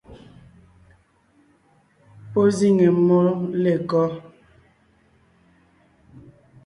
Pɔ́ zíŋe mmó lêkɔ́?